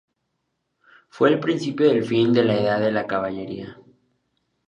Fue el principio del fin de la edad de la caballería.